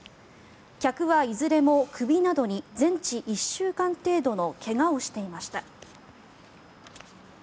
客はいずれも首などに全治１週間程度の怪我をしていました。